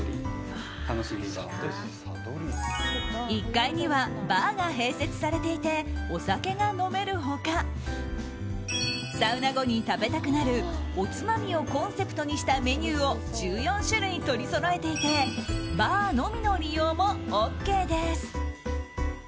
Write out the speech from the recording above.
１階にはバーが併設されていてお酒が飲める他サウナ後に食べたくなるおつまみをコンセプトにしたメニューを１４種類取りそろえていてバーのみの利用もＯＫです！